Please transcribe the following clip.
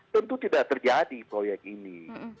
tentu tidak terjadi proyek ini